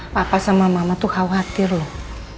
papa sama mama tuh khawatir loh